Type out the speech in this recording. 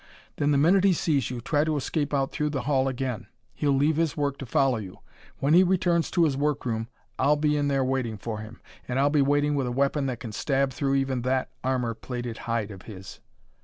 Then the minute he sees you, try to escape out through the hall again. He'll leave his work to follow you. When he returns to his work room I'll be in there waiting for him. And I'll be waiting with a weapon that can stab through even that armor plated hide of his!"